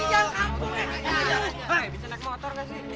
ini jalan kampung